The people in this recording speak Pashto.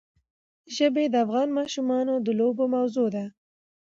ژبې د افغان ماشومانو د لوبو موضوع ده.